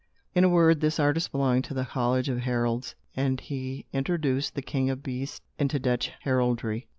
In a word, this artist belonged to the college of heralds, and he introduced the king of beasts into Dutch heraldry.